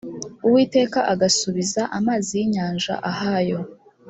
uwiteka agasubiza amazi y inyanja ahayo